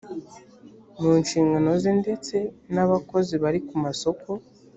mu nshingano ze ndetse n abakozi bari kumasoko